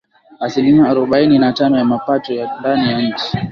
Asilimia arobaini na tano ya mapato ya ndani ya nchi